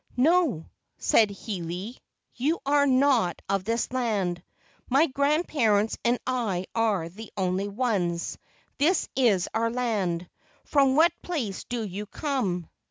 "No," said Hiilei, "you are not of this land. My grandparents and I are the only ones. This is our land. From what place do you come?"